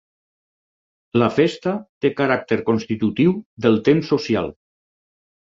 La festa té caràcter constitutiu del temps social.